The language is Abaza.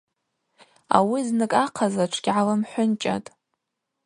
Ауи зныкӏ ахъазла тшгьгӏалымхӏвынчӏатӏ.